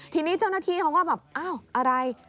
ทีนี้เจ้าหน้าที่เขาก็แบบอ้าวอะไร